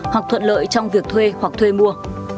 hoặc thuận lợi trong việc thuê hoặc thuê mua